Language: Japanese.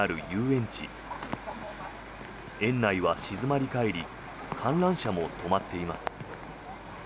園内は静まり返り観覧車も止まっています。